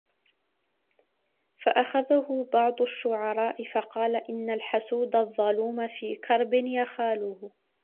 فَأَخَذَهُ بَعْضُ الشُّعَرَاءِ فَقَالَ إنَّ الْحَسُودَ الظَّلُومَ فِي كَرْبٍ يَخَالُهُ